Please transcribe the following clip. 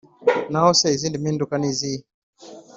Naho se izindi mpinduka zo ni izihe?